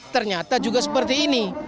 ternyata juga seperti ini